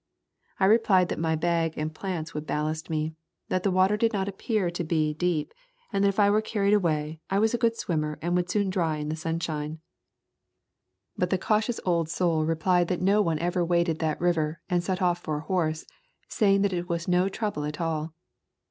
I replied that my bag and plants would ballast me; that the water did not appear to be A Thousand Mile Walk deep, and that if I were carried away, I was a good swimmer and would soon dry in the sun shine. But the cautious old soul replied that no one ever waded that river and set off for a horse, saying that it was no trouble at all.